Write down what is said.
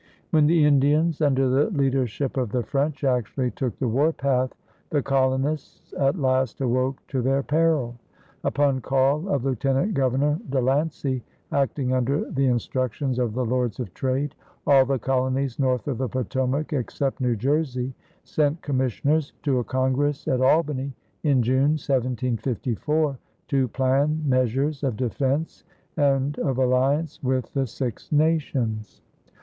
When the Indians under the leadership of the French actually took the warpath, the colonists at last awoke to their peril. Upon call of Lieutenant Governor De Lancey, acting under instructions of the Lords of Trade, all the colonies north of the Potomac except New Jersey sent commissioners to a congress at Albany in June, 1754, to plan measures of defense and of alliance with the Six Nations.